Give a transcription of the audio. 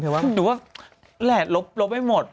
หนูว่าแหลดลบไม่หมด